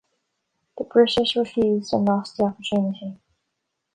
The British refused and lost the opportunity.